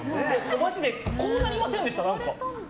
マジでこうなりませんでした？